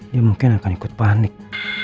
dia mungkin akan ikut panik